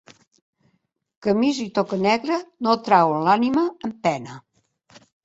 Camisa i toca negra, no trauen l'ànima en pena.